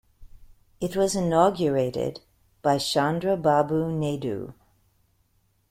It was inaugurated by Chandrababu Naidu.